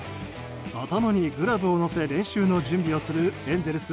頭にグラブを乗せ練習の準備をするエンゼルス